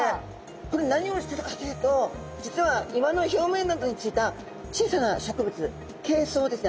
これ何をしてるかというと実は岩の表面などについた小さな植物ケイソウですね